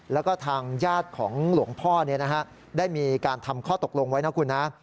แล้วก็ทางญาติของหลวงพ่อได้มีการทำข้อตกลงไว้นะคุณนะ